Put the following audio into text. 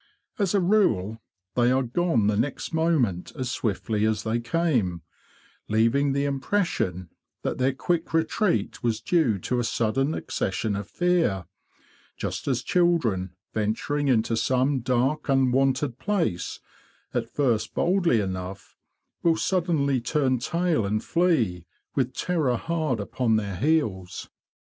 As a rule, they are gone the next moment as swiftly as they came, leaving the impression that their quick retreat was due to a sudden accession of fear; just as children, venturing into some dark unwonted place, at first boldly enough, will suddenly turn tail and flee, with terror hard upon their heels.